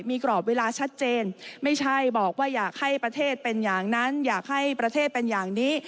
มีกรอบเวลาชัดเจนไม่ใช่บอกว่าอยากให้ประเทศเป็นอย่างนั้นอยากให้ประเทศเป็นอย่างนี้